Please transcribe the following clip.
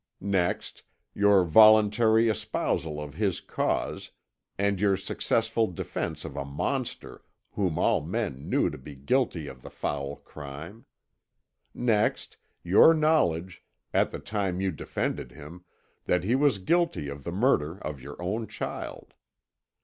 Next, your voluntary espousal of his cause, and your successful defence of a monster whom all men knew to be guilty of the foul crime. Next, your knowledge, at the time you defended him, that he was guilty of the murder of your own child.